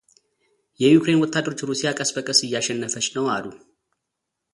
የዩክሬን ወታደሮች ሩሲያ ቀስ በቀስ እያሸነፈች ነው አሉ።